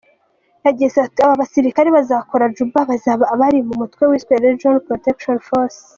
Yagize ati “Aba basirikare bazakorera Juba, bazaba bari mu mutwe wiswe Regional Protection Force.